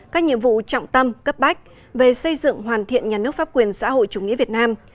các nhiệm vụ trọng tâm cấp bách về xây dựng hoàn thiện nhà nước pháp quyền xã hội chủ nghĩa việt nam